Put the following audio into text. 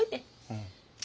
うん。